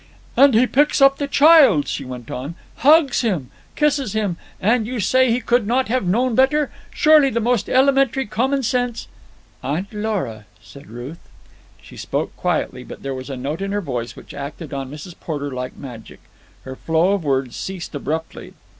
"And he picks up the child!" she went on. "Hugs him! Kisses him! And you say he could not have known better! Surely the most elementary common sense—" "Aunt Lora!" said Ruth. She spoke quietly, but there was a note in her voice which acted on Mrs. Porter like magic. Her flow of words ceased abruptly.